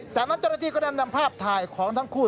จากนั้นเจ้าหน้าที่ก็ได้นำภาพถ่ายของทั้งคู่